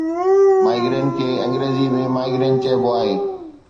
Migraine کي انگريزيءَ ۾ migraine چئبو آهي